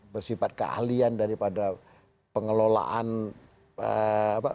bersifat keahlian daripada pengelolaan apa